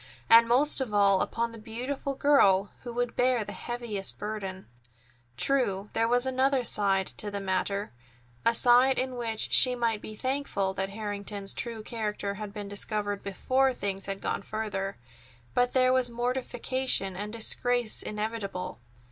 And most of all upon the beautiful girl, who would bear the heaviest burden. True, there was another side to the matter, a side in which she might be thankful that Harrington's true character had been discovered before things had gone further; but there was mortification, and disgrace inevitable.